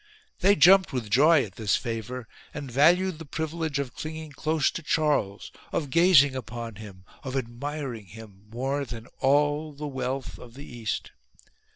They jumped with joy at this favour, and valued the privilege of clinging close to Charles, of gazing upon him, of admiring him, more than all the wealth of the east.